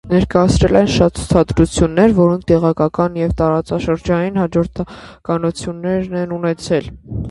Ներկայացրել են շատ ցուցադրություններ, որոնք տեղական և տարածաշրջանային հաջողություններ են ունեցել։